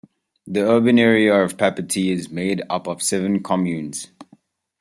The urban area of Papeete is made up of seven communes.